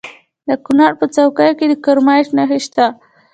د کونړ په څوکۍ کې د کرومایټ نښې شته.